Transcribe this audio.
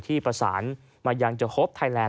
ที่ประสานมายังจะโฮปไทยแลน